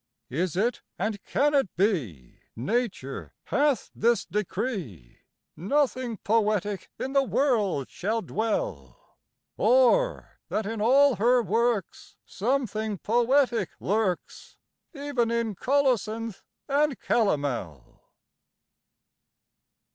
Is it, and can it be, Nature hath this decree, Nothing poetic in the world shall dwell? Or that in all her works Something poetic lurks, Even in colocynth and calomel?